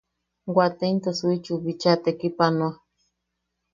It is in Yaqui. Wate into Suichiiu bicha tekipanoa.